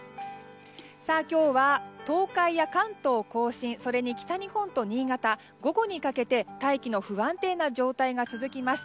今日は東海や関東・甲信それに北日本と新潟午後にかけて大気の不安定な状態が続きます。